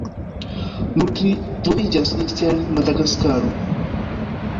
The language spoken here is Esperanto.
Nur tri troviĝas ekster Madagaskaro.